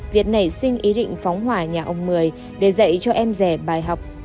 việt nảy sinh ý định phóng hỏa nhà ông mười để dạy cho em rẻ bài học